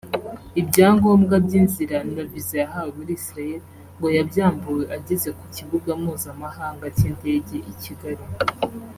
Ibyangombwa by’inzira na Visa yahawe muri Israel ngo yabyambuwe ageze ku Kibuga Mpuzamahanga cy’Indege i Kigali